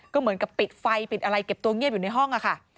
ก็เหมือนกับปิดไฟปิดอะไรเก็บตัวเงียบอยู่ในห้องค่ะ